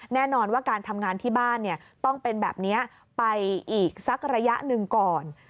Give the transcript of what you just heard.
แน่นอนว่าการทำงานที่บ้านต้องเป็นแบบนี้ไปอีกสักระยะหนึ่งก่อน